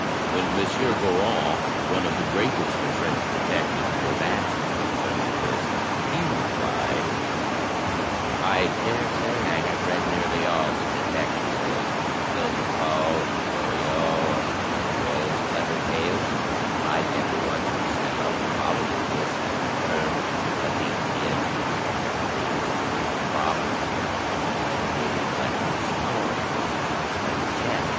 When M. Goron, one of the greatest of French detectives, was asked concerning this, he replied: "I dare say I have read nearly all the detective stories, those of Poe and Gaboriau, and *Sir Doyle's' clever tales. Like every one else I love to follow the twists and turns that 66 THE TECHNIQUE OF THE MYSTERY STORY lead to the end of these apparently inexplicable problems. It is a good intellectual sport — like playing chess.